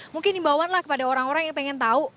mungkin imbauan lah kepada orang orang yang pengen tahu